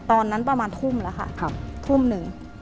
ตอนนั้นประมาณทุ่มแล้วค่ะทุ่มหนึ่ง